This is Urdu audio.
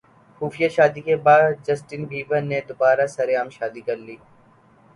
خفیہ شادی کے بعد جسٹن بیبر نے دوبارہ سرعام شادی کرلی